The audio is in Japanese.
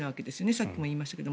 さっきも言いましたが。